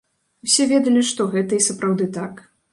Усе ведалі, што гэта і сапраўды так.